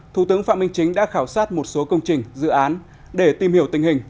thủ tướng phạm minh chính đã khảo sát một số công trình dự án để tìm hiểu tình hình